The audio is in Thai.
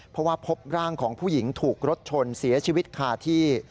เพราะว่าพบร่างของผู้หญิงถูกรถชนเสียชีวิตคาที่